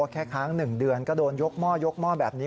แค่ครั้ง๑เดือนก็โดนยกหม้อแบบนี้